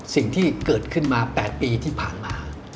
สิ่งที่เกิดขึ้นมา๘ปีที่ผ่านมา